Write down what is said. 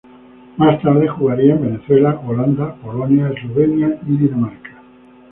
Más tarde, jugaría en Venezuela, Holanda, Polonia, Eslovenia y Dinamarca.